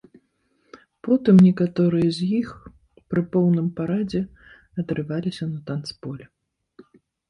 Потым некаторыя з іх пры поўным парадзе адрываліся на танцполе.